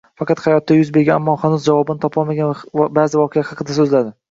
Faqat hayotida yuz bergan, ammo hanuz javobini topolmagan ba`zi voqealar haqida so`zladi